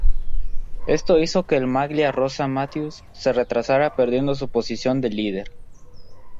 Esto hizo que el maglia rosa Matthews se retrasara perdiendo su posición de líder.